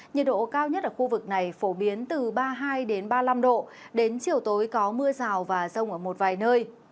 nhiệt độ cao nhất ở khu vực này phổ biến từ ba mươi hai ba mươi năm độ đến chiều tối có mưa rào và rông ở một vài nơi